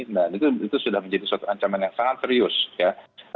nah itu sudah menjadi satu ancaman yang sangat besar